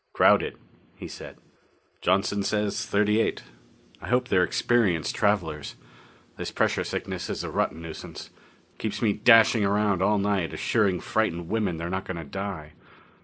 "Crowded," he said. "Johnson says thirty eight. I hope they're experienced travelers. This pressure sickness is a rotten nuisance keeps me dashing around all night assuring frightened women they're not going to die.